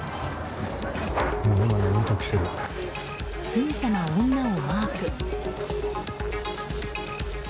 すぐさま女をマーク。